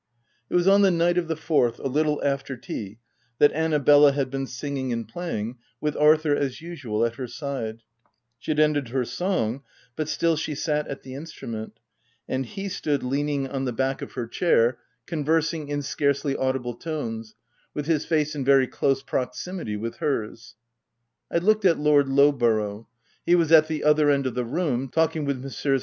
It was on the night of the 4th, a little after tea, that Annabella had been singing and playing, with Arthur as usual at her side : she had ended her song, but still she sat at the instrument; and he stood leaning on the back 134 THE TENANT of her chair, conversing in scarcely audible tones, with his face in very close proximity with hers. I looked at Lord Lowborough. He was at the other end of the room, talking with Messrs.